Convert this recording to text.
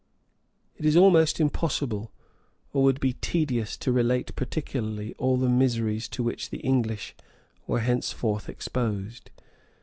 It is almost impossible, or would be tedious, to relate particularly all the miseries to which the English were henceforth exposed.